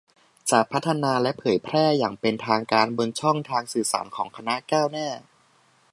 จะพัฒนาและเผยแพร่อย่างเป็นทางการบนช่องทางสื่อสารของคณะก้าวหน้า